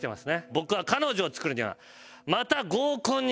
僕は彼女を作るには。